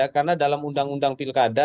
karena dalam undang undang pilkada